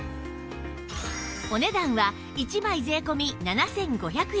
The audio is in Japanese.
お値段は１枚税込７５００円